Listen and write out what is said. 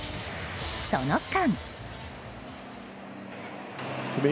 その間。